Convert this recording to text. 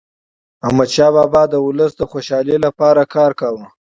احمدشاه بابا د ولس د خوشحالیلپاره کار کاوه.